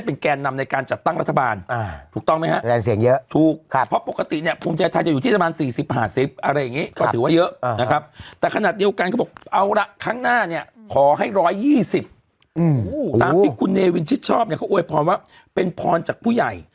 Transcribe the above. พอให้๑๒๐ตามที่คุณเนวินชิดชอบเนี่ยเขาอวยพรว่าเป็นพรจากผู้ใหญ่